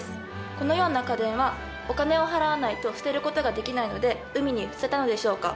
このような家電はお金を払わないと捨てることができないので海に捨てたのでしょうか？